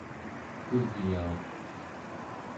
kuvyauq